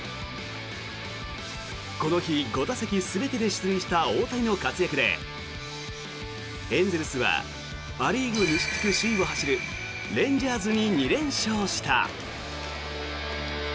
この日５打席全てで出塁した大谷の活躍でエンゼルスはア・リーグ西地区首位を走るレンジャーズに２連勝した。